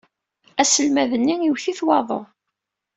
Aselmad-nni iwet-it waḍu.